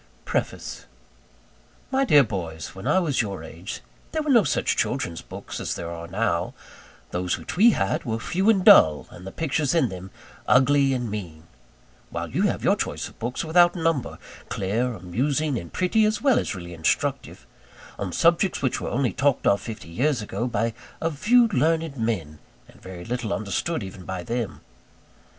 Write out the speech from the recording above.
PREFACE My dear boys, When I was your age, there were no such children's books as there are now. Those which we had were few and dull, and the pictures in them ugly and mean: while you have your choice of books without number, clear, amusing, and pretty, as well as really instructive, on subjects which were only talked of fifty years ago by a few learned men, and very little understood even by them.